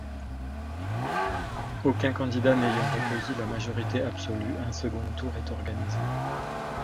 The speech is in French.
Aucun candidat n'ayant recueilli la majorité absolue, un second tour est organisé.